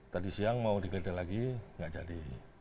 tadi siang mau digeladah lagi tidak jadi